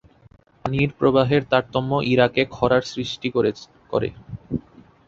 পানির প্রবাহের তারতম্য ইরাকে খরার সৃষ্টি করে।